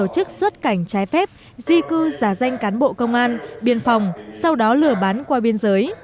xuất cảnh trái phép di cư giả danh cán bộ công an biên phòng sau đó lừa bán qua biên giới